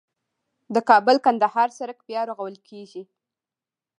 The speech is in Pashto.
د کابل - کندهار سړک بیا رغول کیږي